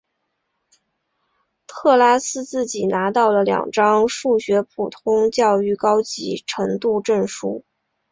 特拉斯自己拿到了两张数学普通教育高级程度证书。